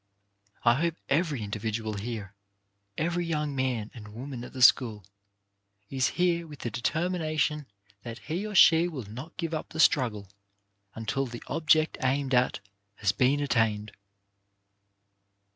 I hope every indi vidual here, every young man and woman at the school, is here with the determination that he or she will not give up the struggle until the object aimed at has been attained.